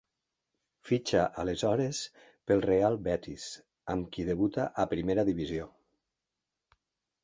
Fitxa aleshores pel Real Betis, amb qui debuta a primera divisió.